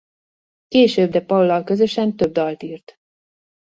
Később de Paullal közösen több dalt írt.